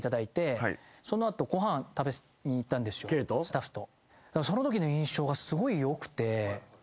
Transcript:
スタッフと。